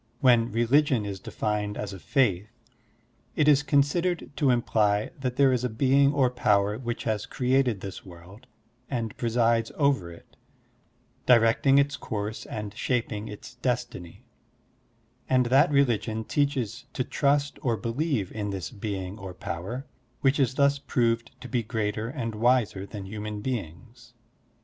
When religion is defined as a faith, it is considered to imply that there is a being or power which has created this world and presides over it, directing 6a Digitized by Google BUDDHIST FAITH 63 its course and shaping its destiny; and that religion teaches to trust or believe in this being or power, which is thus proved to be greater and wiser than human beings.